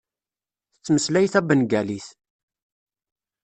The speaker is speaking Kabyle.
Tettmeslay tabengalit.